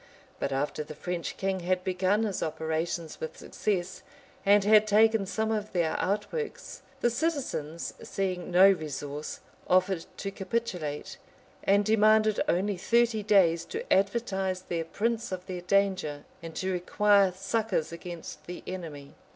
But after the French king had begun his operations with success, and had taken some of their outworks, the citizens, seeing no resource, offered to capitulate; and demanded only thirty days to advertise their prince of their danger, and to require succors against the enemy.